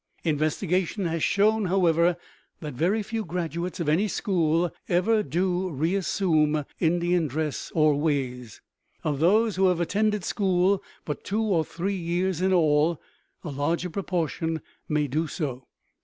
Investigation has shown, however, that very few graduates of any school ever do reassume Indian dress or ways. Of those who have attended school but two or three years in all, a larger proportion may do so.